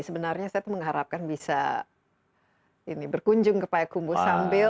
sebenarnya saya tuh mengharapkan bisa ini berkunjung ke payakumbuh sambil